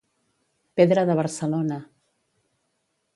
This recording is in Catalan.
Pedra de Barcelona.